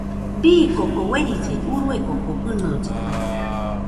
Bii koko uerilli urue koko fɨnolle.